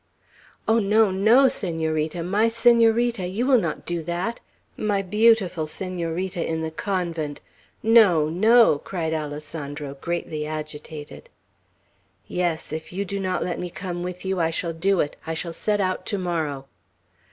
"Oh, no, no, Senorita, my Senorita, you will not do that! My beautiful Senorita in the convent! No, no!" cried Alessandro, greatly agitated. "Yes, if you do not let me come with you, I shall do it. I shall set out to morrow."